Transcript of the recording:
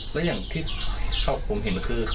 แล้วอย่างที่ผมเห็นคือ